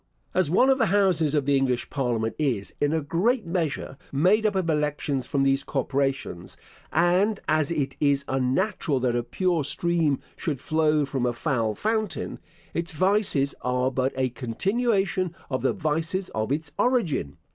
As one of the Houses of the English Parliament is, in a great measure, made up of elections from these corporations; and as it is unnatural that a pure stream should flow from a foul fountain, its vices are but a continuation of the vices of its origin.